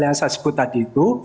yang saya sebut tadi itu